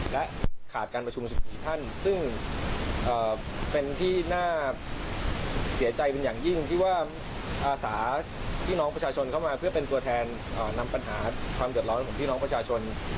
และขาดการประชุม๑๔ท่านซึ่งเป็นที่น่าเสียใจเป็นอย่างยิ่งที่ว่าอาสาพี่น้องประชาชนเข้ามาเพื่อเป็นตัวแทนนำปัญหาความเดือดร้อนของพี่น้องประชาชน